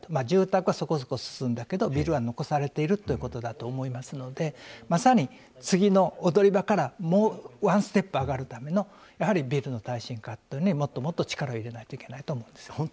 住宅はそこそこ進んだけどビルは残されているということだと思いますのでまさに次の踊り場からもうワンステップ上がるためのビルの耐震化にもっともっと力を入れないといけないと思うんですよ。